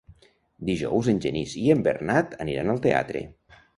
Dijous en Genís i en Bernat aniran al teatre.